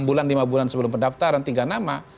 enam bulan lima bulan sebelum pendaftaran tiga nama